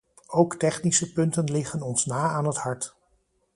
Ook technische punten liggen ons na aan het hart.